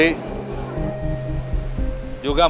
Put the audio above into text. masalah dengan willy